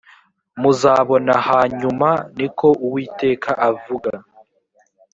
muzabona hanyuma ni ko uwiteka avuga